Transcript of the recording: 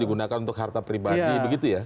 digunakan untuk harta pribadi begitu ya